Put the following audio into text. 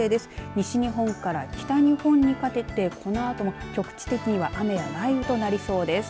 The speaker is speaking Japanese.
西日本から北日本にかけてこのあとも局地的に雨や雷雨となりそうです。